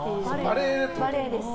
バレーです。